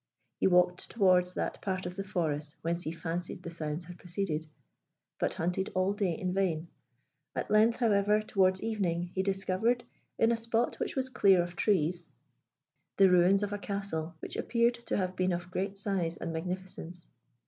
He walked towards that part of the forest whence he fancied the sounds had proceeded, but hunted all day in vain; at length, however, towards evening, he discovered, in a spot which was clear of trees, the ruins of a castle which appeared to have been of great size and magnificence.